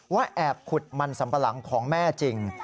ว่าแอบขุดมันสัมปะหลังของแม่จริง